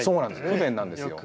不便なんですよ。